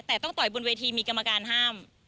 แต่ต้องต่อยบนเวทีมีกรรมการห้าม